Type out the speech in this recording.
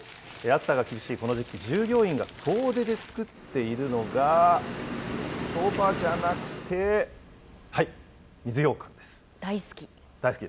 暑さが厳しいこの時期、従業員が総出で作っているのが、そばじゃ大好き。